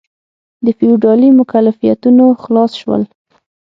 د فیوډالي مکلفیتونو خلاص شول.